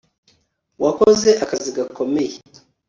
Wakoze akazi gakomeye